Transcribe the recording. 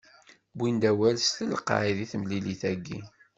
Wwin-d awal s telqay deg temlilit-agi.